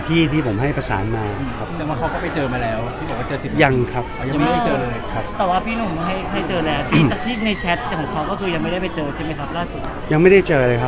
ที่ในแชทของเขาก็คือยังไม่ได้ไปเจอใช่ไหมครับยังไม่ได้เจอเลยครับ